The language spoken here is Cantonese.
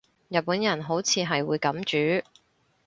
日本人好似係會噉煮